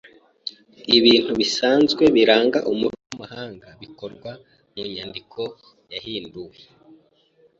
Ibintu bisanzwe biranga umuco wamahanga bibikwa mumyandiko yahinduwe.